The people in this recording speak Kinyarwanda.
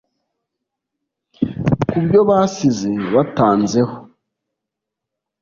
ku byo basize batanzeho